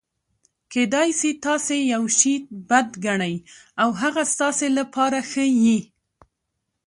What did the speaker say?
کېدای سي تاسي یوشي بد ګڼى او هغه ستاسي له پاره ښه يي.